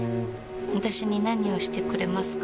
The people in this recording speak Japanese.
私に何をしてくれますか？